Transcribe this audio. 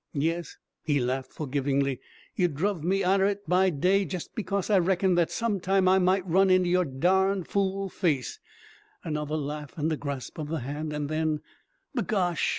Yes," he laughed forgivingly, "you druv me out er it, by day, jest because I reckoned that some time I might run into your darned fool face," another laugh and a grasp of the hand, "and then, b'gosh!